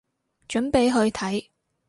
準備去睇